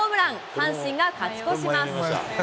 阪神が勝ち越します。